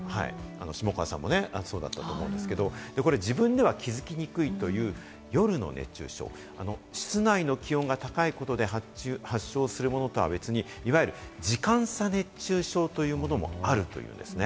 下川さんもね、そうだったと思うんですけれども、自分では気づきにくいという夜の熱中症を室内の気温が高いことで、発症するものとは別にいわゆる時間差で熱中症というものもあるというんですね。